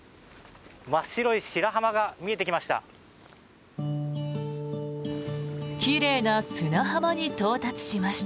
真っ白い白浜が見えてきました。